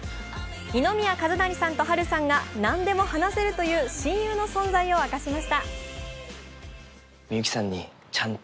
二宮和也さんと波瑠さんが何でも話せるという親友の存在を明かしました。